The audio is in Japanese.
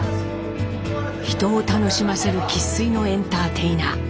人を楽しませる生っ粋のエンターテイナー。